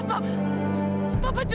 tahu ada apaan sih